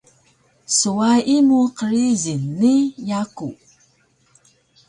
swayi mu qrijil ni yaku